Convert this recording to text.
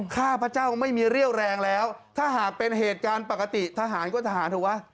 ข้าพเจ้าไม่มีเรี่ยวแรงแล้วถ้าหากเป็นเหตุการณ์ปกติทหารก็ทหารเถอะวะ